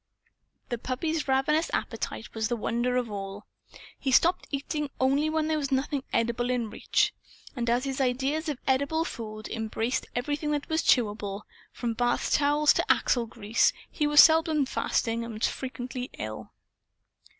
The puppy's ravenous appetite was the wonder of all. He stopped eating only when there was nothing edible in reach. And as his ideas of edible food embraced everything that was chewable, from bath towels to axle grease he was seldom fasting and was frequently ill.